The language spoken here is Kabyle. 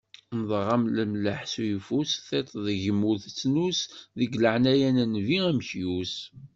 Nnḍeɣ-am lemlaḥ s uyeffus, tiṭ deg-m ur tettnus, deg laɛnaya n nnbi amekyus.